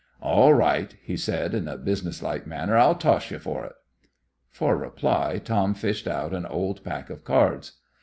"All right!" he said, in a business like manner. "I'll toss you for it." For reply, Tom fished out an old pack of cards.